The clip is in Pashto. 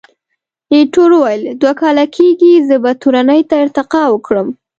ایټور وویل، دوه کاله کېږي، زه به تورنۍ ته ارتقا وکړم.